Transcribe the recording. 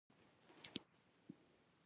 وسله د وجدان بېحسي ده